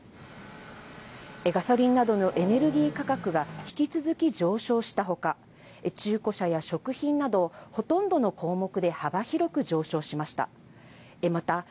ガソリンなどのエネルギー価格が引き続き上昇したほか、中古車や食品などほとんどの項目で幅広く上昇しました。